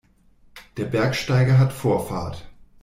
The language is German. Der Bergsteiger hat Vorfahrt.